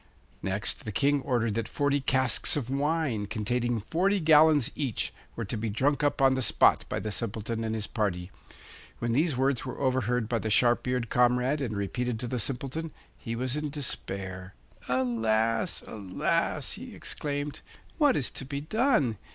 Next, the King ordered that forty casks of wine, containing forty gallons each, were to be drunk up on the spot by the Simpleton and his party. When these words were overheard by the sharp eared comrade and repeated to the Simpleton, he was in despair. 'Alas, alas!' he exclaimed; 'what is to be done?